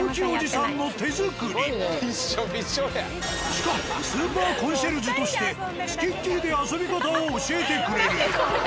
しかもスーパーコンシェルジュとして付きっきりで遊び方を教えてくれる。